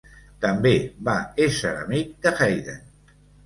També va esser amic de Haydn.